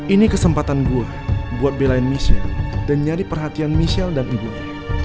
ini kesempatan gue buat belain michel dan nyari perhatian michelle dan ibunya